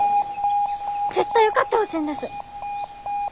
絶対受かってほしいんです。